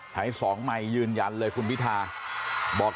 ใช้สองใหม่ยืนยันเลยคุณวิทาบอก